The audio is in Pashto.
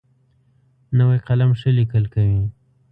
نوی قلم ښه لیکل کوي